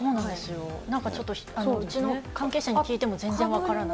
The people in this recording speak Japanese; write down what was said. なんかちょっと、うちの関係者に聞いても全然分からないと。